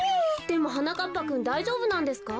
でもはなかっぱくんだいじょうぶなんですか？